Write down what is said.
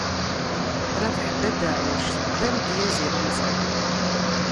Rabaḥ Bedaɛuc, d amedyaz ilemẓi.